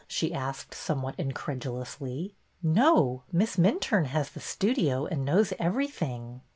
" she asked, somewhat incredulously. '' No. Miss Minturne has the studio and knows everything."